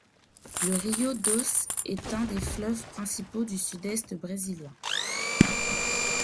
Le Rio Doce est un des fleuves principaux du sud-est brésilien.